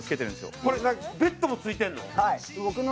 ベッドも付いてるの？